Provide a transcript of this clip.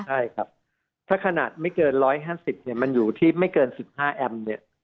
ใช่ครับถ้าขนาดไม่เกิน๑๕๐มันอยู่ที่ไม่เกิน๑๕แอมป์